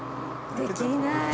できない。